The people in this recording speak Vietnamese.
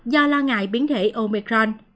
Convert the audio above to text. do lo ngại biến thể omicron